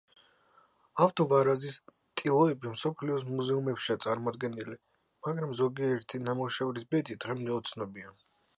ავთო ვარაზის ტილოები მსოფლიოს მუზეუმებშია წარმოდგენილი, მაგრამ ზოგიერთი ნამუშევრის ბედი დღემდე უცნობია.